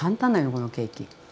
このケーキ。